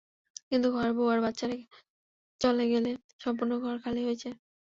কিন্তু ঘরের বৌ আর বাচ্চা চলে গেলে সম্পূর্ণ ঘর খালি হয়ে যায়।